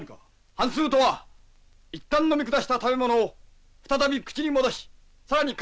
反すうとは一旦飲み下した食べ物を再び口に戻し更にかんで飲み込む。